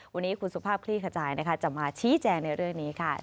วันนี้คุณสุภาพคลี่ขจายนะคะจะมาชี้แจงในเรื่องนี้ค่ะ